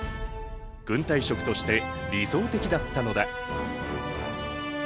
軍隊食として理想的だったのだ。